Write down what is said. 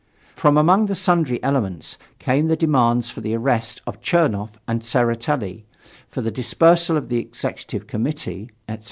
From among the sundry elements came the demands for the arrest of Chernoff and Tseretelli, for the dispersal of the Executive Committee, etc.